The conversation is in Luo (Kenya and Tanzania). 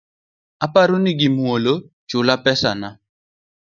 Aparo ni gi mwolo, chula pesana